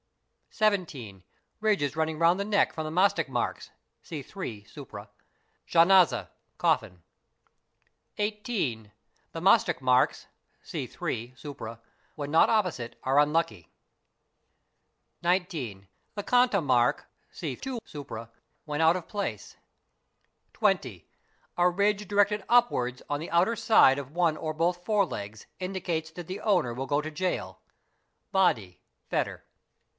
17. Ridges running round the neck from the masthak marks (see 3, supra), (janaza—coffin). 18. The masthak marks (see 3, swpra) when not opposite are unlucky. 19.. The khanta mark (see 2, swpra) when out of place. | 20. A ridge directed upwards on the outer side of one or both forelegs — indicates that the owner will go to jail, (badi—fetter).